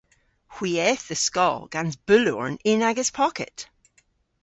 Hwi eth dhe skol gans bulhorn yn agas pocket.